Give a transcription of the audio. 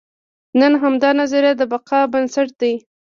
نن همدا نظریه د بقا بنسټ دی.